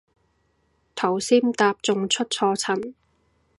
頭先搭仲出錯層